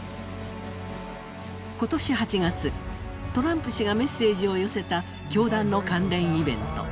今年８月、トランプ氏がメッセージを寄せた教団の関連イベント。